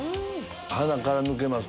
鼻から抜けます